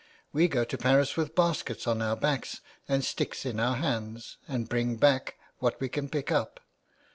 We go to Paris with baskets on our backs, and sticks in our hands, and bring back what we can pick up.